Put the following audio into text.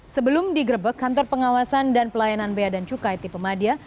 sebelum digrebek kantor pengawasan dan pelayanan bea dan cukai tipe madia